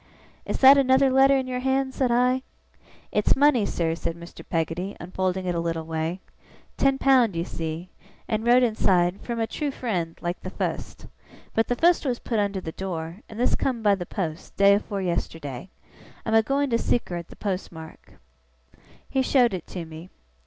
'Is that another letter in your hand?' said I. 'It's money, sir,' said Mr. Peggotty, unfolding it a little way. 'Ten pound, you see. And wrote inside, "From a true friend," like the fust. But the fust was put underneath the door, and this come by the post, day afore yesterday. I'm a going to seek her at the post mark.' He showed it to me.